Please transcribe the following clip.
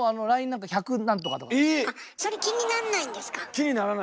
それ気になんないんですか？